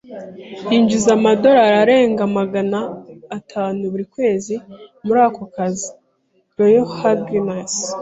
Yinjiza amadorari arenga magana atanu buri kwezi muri ako kazi. (royhuggins)